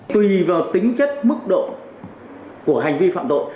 tùy vào tính chất mức độ của hành vi phạm tội